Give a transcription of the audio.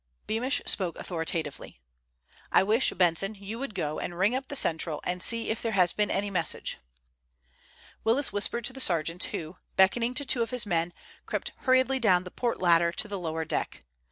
Beamish spoke authoritatively. "I wish, Benson, you would go and ring up the Central and see if there has been any message." Willis whispered to the sergeant, who, beckoning to two of his men, crept hurriedly down the port ladder to the lower deck.